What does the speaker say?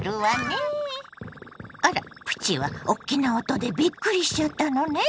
あらプチはおっきな音でびっくりしちゃったのね。